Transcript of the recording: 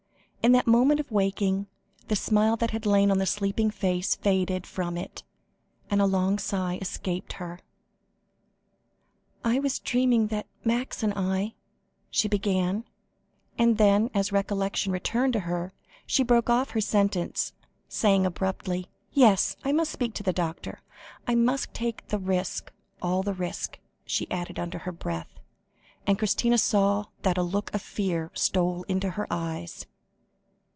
In that moment of waking, the smile that had lain on the sleeping face faded from it, and a long sigh escaped her. "I was dreaming that Max and I," she began, and then, as recollection returned to her, she broke off her sentence, saying abruptly, "Yes, I must speak to the doctor. I must take the risk all the risk," she added under her breath, and Christina saw that a look of fear stole into her eyes.